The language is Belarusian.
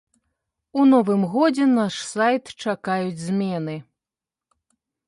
У новым годзе наш сайт чакаюць змены.